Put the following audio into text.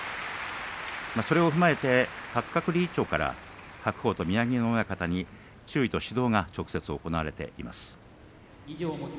それを踏まえて八角理事長から白鵬と宮城野親方に注意と指導が直接行われています。